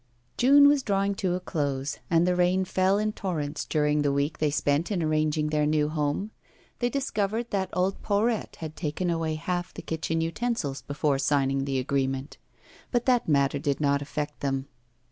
June was drawing to a close, and the rain fell in torrents during the week they spent in arranging their new home. They discovered that old Porrette had taken away half the kitchen utensils before signing the agreement. But that matter did not affect them.